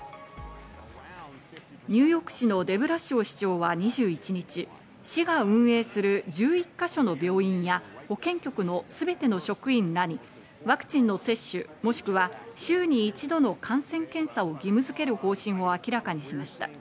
ニューヨーク市のデブラシオ市長は２１日、市が運営する１１か所の病院や、保健局の全ての職員らにワクチンの接種、もしくは週に一度の感染検査を義務づける方針を明らかにしました。